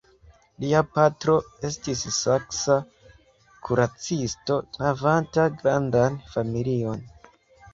Lia patro estis saksa kuracisto havanta grandan familion.